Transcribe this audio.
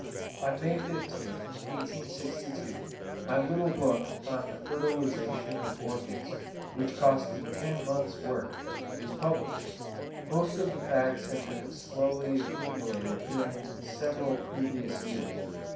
On May 15th, 1862, my little book on the 'Fertilisation of Orchids,' which cost me ten months' work, was published: most of the facts had been slowly accumulated during several previous years.